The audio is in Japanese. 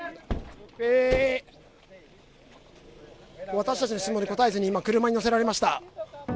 私たちの質問に答えずに、今、車に乗せられました。